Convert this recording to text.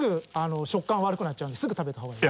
食感悪くなっちゃうんですぐ食べた方がいい。